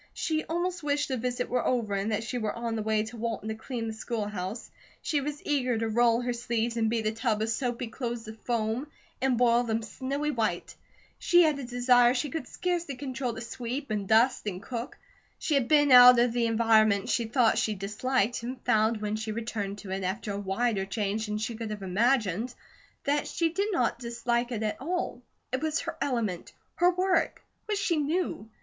She almost wished the visit were over, and that she were on the way to Walton to clean the school house. She was eager to roll her sleeves and beat a tub of soapy clothes to foam, and boil them snowy white. She had a desire she could scarcely control to sweep, and dust, and cook. She had been out of the environment she thought she disliked and found when she returned to it after a wider change than she could have imagined, that she did not dislike it at all. It was her element, her work, what she knew.